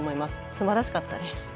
すばらしかったです。